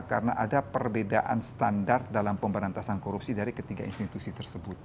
karena ada perbedaan standar dalam pemberantasan korupsi dari ketiga institusi tersebut